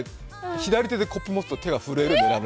左手でコップを持つと手が震える。